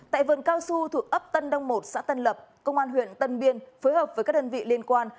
tại vườn cao su thuộc ấp tân đông một xã tân lập công an huyện tân biên phối hợp với các đơn vị liên quan